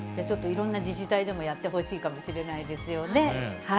ちょっといろんな自治体でもやってほしいかもしれないですよね。